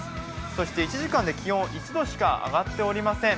そして１時間で気温は１度しか上がっておりません。